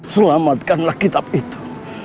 selamatkanlah kitab itu